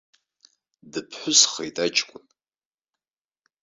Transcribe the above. Дыԥҳәысхеит, аҷкәын.